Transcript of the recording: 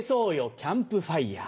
キャンプファイヤー。